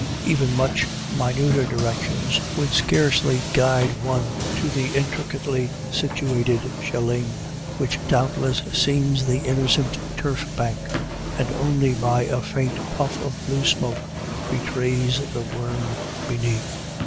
Even much minuter directions would scarcely guide one to the intri * cately situated shieling, which doubtless seems the i innocent turf bank, and only by a faint puff of blue smoke betrays the worm beneath.